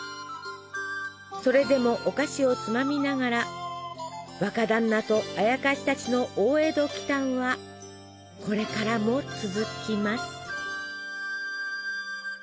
それでもお菓子をつまみながら若だんなとあやかしたちの大江戸奇たんはこれからも続きます。